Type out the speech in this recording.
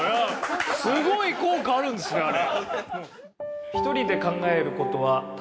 すごい効果あるんですねあれ。